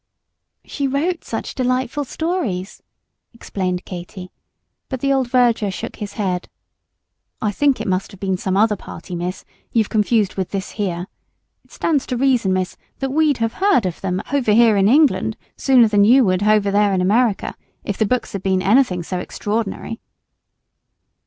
"She wrote such delightful stories," explained Katy; but the old verger shook his head. "I think h'it must be some other party, Miss, you've confused with this here. It stands to reason, Miss, that we'd have heard of 'em h'over 'ere in England sooner than you would h'over there in h'America, if the books 'ad been h'anything so h'extraordinary."